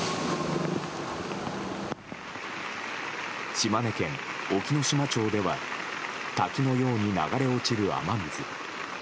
島根県隠岐の島町では滝のように流れ落ちる雨水。